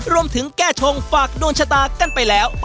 รวมถึงแก้ชงฝากดวงชาตากันไปแล้ว